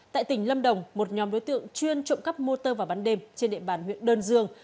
tại tỉnh lâm đồng một nhóm đối tượng chuyên trộm cắp motor và bán đêm trên địa bàn huyện đơn dương